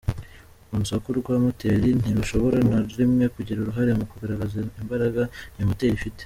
Urusaku rwa moteri ntirushobora na rimwe kugira uruhare mu kugaragaza imbaraga iyo moteri ifite.